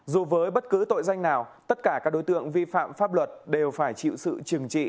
dù với bất cứ tội danh nào tất cả các đối tượng vi phạm pháp luật đều phải chịu sự trừng trị